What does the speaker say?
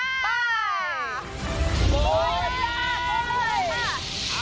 เอ้าอีกออกมากอีกมีผิดมากนะคะ